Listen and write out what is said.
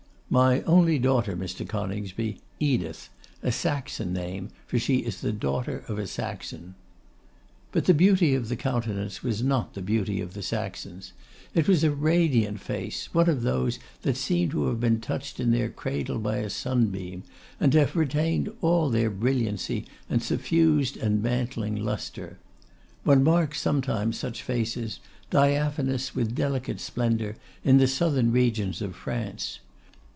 'My only daughter, Mr. Coningsby, Edith; a Saxon name, for she is the daughter of a Saxon.' But the beauty of the countenance was not the beauty of the Saxons. It was a radiant face, one of those that seem to have been touched in their cradle by a sunbeam, and to have retained all their brilliancy and suffused and mantling lustre. One marks sometimes such faces, diaphanous with delicate splendour, in the southern regions of France.